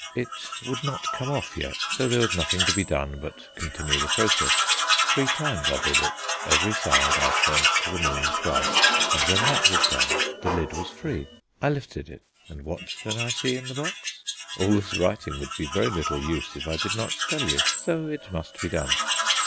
It would not come off yet, so there was nothing to be done but continue the process. Three times I did it: every side I turned to the moon thrice, and when that was done the lid was free. I lifted it, and what did I see in the box? All this writing would be very little use if I did not tell you, so it must be done.